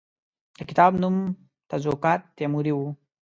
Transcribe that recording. د کتاب نوم تزوکات تیموري وو.